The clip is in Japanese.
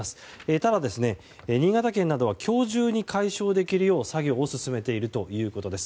ただ、新潟県などは今日中に解消できるよう作業を進めているということです。